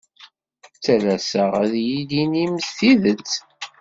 Ttalaseɣ ad iyi-d-tinim tidet.